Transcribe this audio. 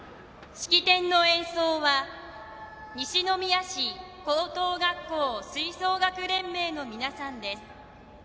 式典の演奏は西宮市高等学校吹奏楽連盟の皆さんです。